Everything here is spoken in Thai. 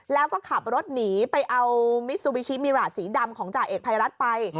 แล้วก็ขับรถหนีไปเอามิซูบิชิมิระสีดำของจ่าเอกภัยรัฐไป